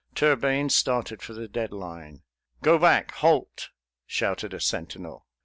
Turbayne started for the dead line. "Go back, halt!" shouted a sentinel.